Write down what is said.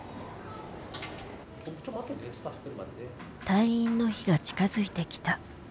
退院の日が近づいてきた。